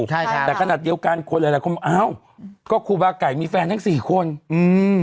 ใช่ครับแต่ขนาดเดียวกันคนหลายหลายคนบอกอ้าวก็ครูบาไก่มีแฟนทั้งสี่คนอืม